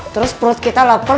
terus perut kita lapar